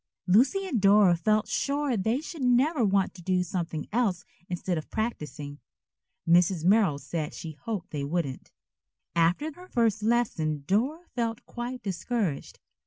Lucy and Dora felt sure they should never want to do something else instead of practising. Mrs. Merrill said she hoped they wouldn't. After her first lesson Dora felt quite discouraged.